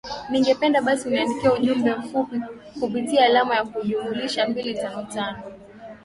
ningependa basi uniandikie ujumbe mfupi kupitia alama ya kujumlisha mbili tano tano